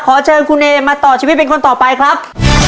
ขอเชิญคุณเอมาต่อชีวิตเป็นคนต่อไปครับ